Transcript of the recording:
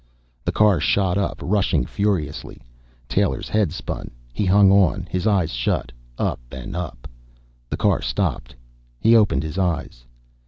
The car shot up, rushing furiously. Taylor's head spun; he hung on, his eyes shut. Up and up.... The car stopped. He opened his eyes.